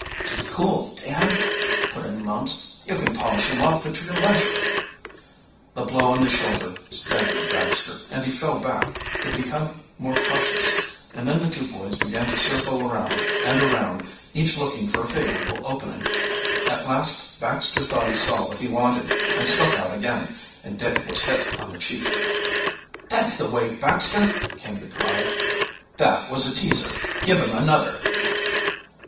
"Keep cool, Dan!" put in Mumps. "You can polish him off at your leisure." The blow on the shoulder staggered Baxter, and he fell back, to become more cautious; and then the two boys began to circle around and around, each looking for a favorable "opening." At last Baxter thought he saw what he wanted, and struck out again, and Dick was hit on the cheek. "That's the way, Baxter!" came the cry. "That was a teaser! Give him another!"